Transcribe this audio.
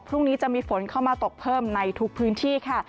พรุ่งนี้จะมีฝนเข้ามาตกเพิ่มในทุกพื้นที่ค่ะ